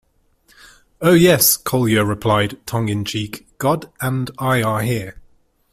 "Oh yes," Collyer replied, tongue in cheek, "God and I are here.